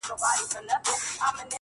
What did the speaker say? کلي به سوځو جوماتونه سوځو!